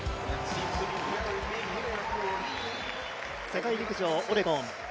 世界陸上オレゴン